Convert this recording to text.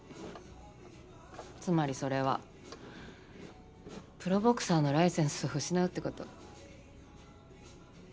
つまりそれはプロボクサーのライセンスを失うってこと。